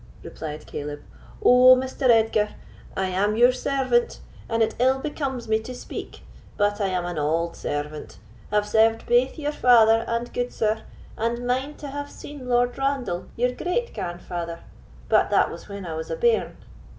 replied Caleb—"oh, Mr. Edgar! I am your servant, and it ill becomes me to speak; but I am an auld servant—have served baith your father and gudesire, and mind to have seen Lord Randal, your great grandfather, but that was when I was a bairn."